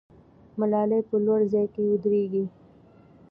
ملالۍ په لوړ ځای کې ودرېږي.